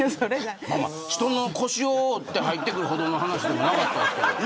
人の腰を折って入ってくるほどの話でもない。